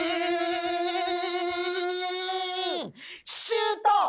シュート！